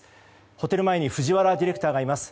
ホテル前に藤原ディレクターがいます。